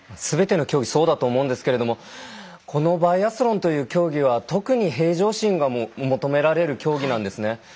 すべての競技そうだと思うんですけれどもこのバイアスロンという競技は特に平常心が求められる競技なんですね。